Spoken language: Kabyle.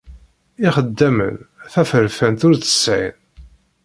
Ixeddamen taferfant ur tt-sεin.